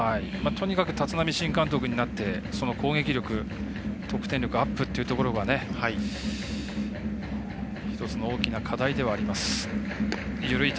とにかく立浪新監督になって攻撃力得点力アップというところが１つの大きな課題ではあります。